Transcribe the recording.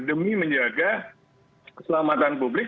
demi menjaga keselamatan publik